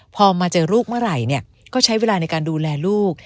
พ่อห้ามลูกก็จะใช้เวลาไว้ดูแลลูก